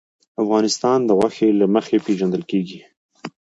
افغانستان د غوښې له مخې پېژندل کېږي.